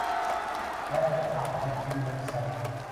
Yana bu haqda kim bilsin.